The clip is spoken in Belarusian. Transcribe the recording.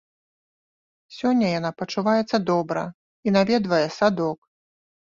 Сёння яна пачуваецца добра і наведвае садок.